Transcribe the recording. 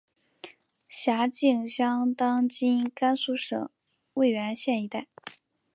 辖境相当今甘肃省渭源县一带。